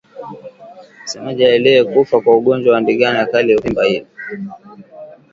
Mnyama aliyekufa kwa ugonjwa wa ndigana kali huvimba ini